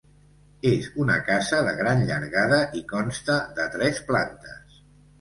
És una casa de gran llargada i consta de tres plantes.